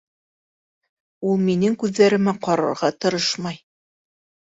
Ул минең күҙҙәремә ҡарарға тырышмай.